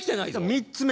３つ目。